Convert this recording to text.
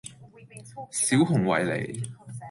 小熊維尼